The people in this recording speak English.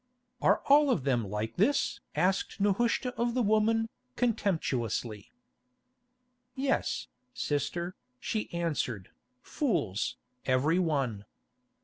"Are all of them like this?" asked Nehushta of the woman, contemptuously. "Yes, sister," she answered, "fools, every one.